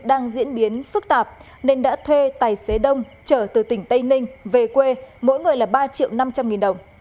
đang diễn biến phức tạp nên đã thuê tài xế đông trở từ tỉnh tây ninh về quê mỗi người là ba triệu năm trăm linh nghìn đồng